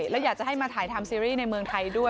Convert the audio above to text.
แล้วอยากจะให้มาถ่ายทำซีรีส์ในเมืองไทยด้วย